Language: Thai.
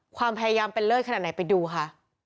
ความพยายามเป็นเลิศขนาดไหนไปดูค่ะ